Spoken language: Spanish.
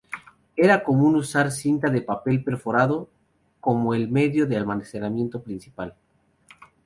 Era común usar cinta de papel perforado como el medio de almacenamiento principal.